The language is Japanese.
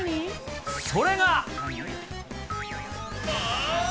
それが。